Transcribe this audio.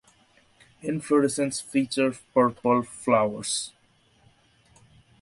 Inflorescences feature purple flowers.